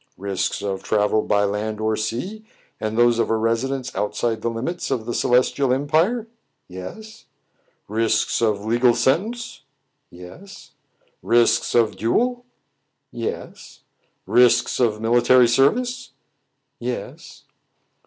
" Risks of travel by land or sea, and those of a residence outside the limits of the Celestial Em pire }" •'Yes." " Risks of legal sentence ?" "Yes." '* Risks of duel .?" "Yes." " Risks of military service ?" "Yes."